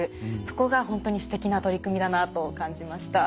そこがホントにステキな取り組みだなと感じました。